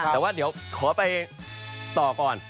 แต่ว่าเดี๋ยวขอไปต่อก่อน